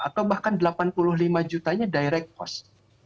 atau bahkan delapan puluh lima jutanya direct cost